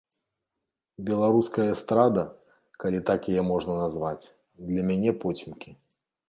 Беларуская эстрада, калі так яе можна назваць, для мяне поцемкі.